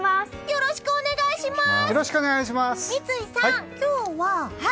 よろしくお願いします！